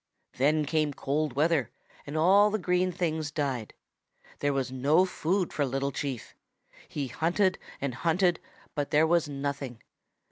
Then came cold weather and all the green things died. There was no food for Little Chief. He hunted and hunted, but there was nothing.